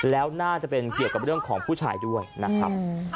แล้วน่าจะเป็นเกี่ยวกับเรื่องของผู้ชายด้วยนะครับ